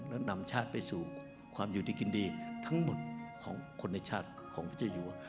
และนำชาติไปสู่ความอยู่ดีกินดีทั้งหมดของคนในชาติของพระเจ้าอยู่